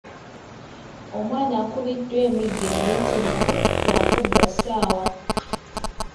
Omwana akubiddwa emiggo emiyitirivu lwa kubba ssaawa.